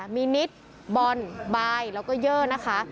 มีนิดบอลบายแล้วก็เยอร์นะคะ